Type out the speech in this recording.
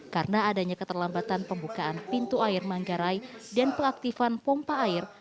karena adanya keterlambatan pembukaan pintu air manggarai dan peaktifan pompa air